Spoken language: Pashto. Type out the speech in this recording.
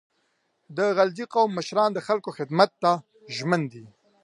• د علیزي قوم مشران د خلکو خدمت ته ژمن دي.